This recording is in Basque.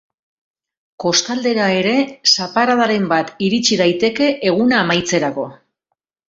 Kostaldera ere, zaparradaren bat iritsi daiteke eguna amaitzerako.